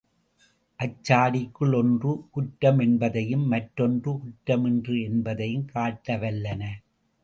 அச் சாடிகளுள் ஒன்று குற்றம் என்பதையும் மற்றென்று குற்றமின்று என்பதையும் காட்டவல்லன.